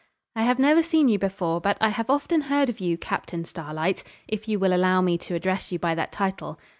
'I have never seen you before, but I have often heard of you, Captain Starlight, if you will allow me to address you by that title.